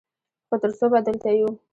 څو تر څو به دلته یو؟